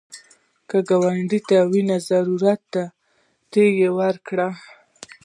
که ګاونډي ته وینې ضرورت دی، ته یې ورکړه